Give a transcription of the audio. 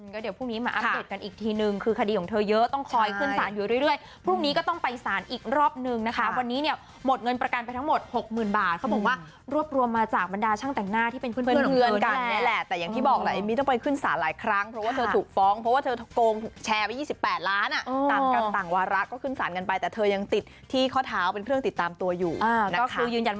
ก็เดี๋ยวพรุ่งนี้มาอัพเดทกันอีกทีนึงคือคดีของเธอเยอะต้องคอยขึ้นศาลอยู่เรื่อยเรื่อยพรุ่งนี้ก็ต้องไปศาลอีกรอบนึงนะคะวันนี้เนี่ยหมดเงินประกันไปทั้งหมดหกหมื่นบาทเขาบอกว่ารวบรวมมาจากบรรดาช่างแต่งหน้าที่เป็นเพื่อนเพื่อนกันเนี่ยแหละแต่อย่างที่บอกแบบนี้ต้องไปขึ้นศาลหลายครั้งเพราะว่าเธอถูก